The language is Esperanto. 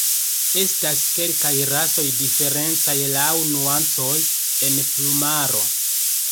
Estas kelkaj rasoj diferencaj laŭ nuancoj en plumaro.